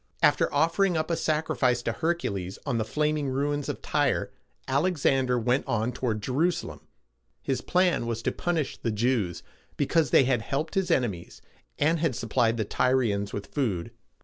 After offering up a sacrifice to Hercules on the flaming ruins of Tyre, Alexander went on toward Je ru´sa lem. His plan was to punish the Jews, because they had helped his enemies, and had supplied the Tyrians with food.